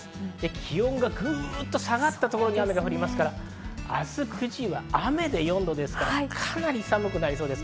気温がぐっと下がったところで雨が降りますから、明日は４度ですからかなり寒くなりそうです。